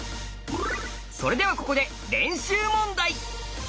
それではここで練習問題！